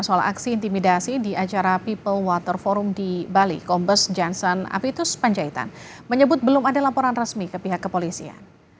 soal aksi intimidasi di acara people water forum di bali kombes jansan apitus panjaitan menyebut belum ada laporan resmi ke pihak kepolisian